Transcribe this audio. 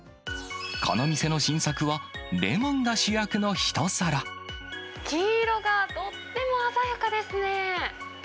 この店の新作は、レモンが主役の黄色がとっても鮮やかですね。